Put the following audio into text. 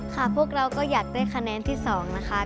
พวกเราก็อยากได้คะแนนที่๒นะคะ